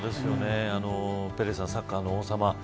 ペレさん、サッカーの王様。